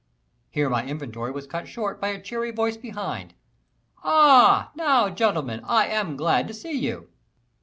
Here my inventory was cut short by a cheery voice behind: "Ah! now, gentlemen, I am glad to see you."